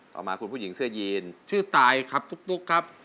ต่อมาคุณผู้หญิงเสื้อยีนชื่อตายครับตุ๊กครับ